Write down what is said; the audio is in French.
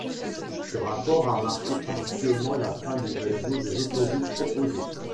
Ce rapport a marqué pratiquement la fin du réseau des autoroutes proposé.